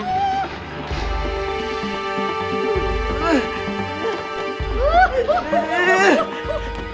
aku tidak mungkin menyakitinya